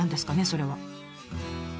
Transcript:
それは。